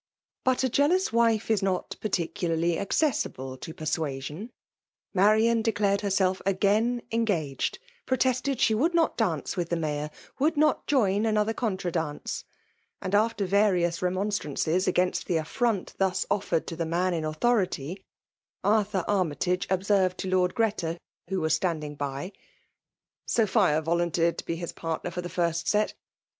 But a jea knis wife is not particularly accessible to per* suasion. Marian declared herself again en gi^ed; protested she would not dance with lihe Mayor, would not join another contra dance; and after various remonstrances against the affiront thus offered to the man in authority^ Arthur Armytage observed to Lord Greta, who was standing by— •* Sophia volunteered to be his partner for the first set.